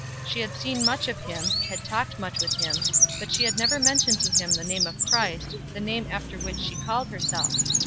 She had seen much of him, had talked much with him, but she had never mentioned to him the name of Christ, the name after which she called herself.